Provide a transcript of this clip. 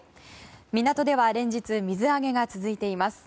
港では連日水揚げが続いています。